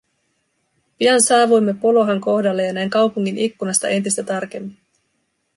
Pian saavuimme Polohan kohdalle ja näin kaupungin ikkunasta entistä tarkemmin.